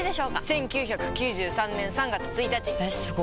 １９９３年３月１日！えすご！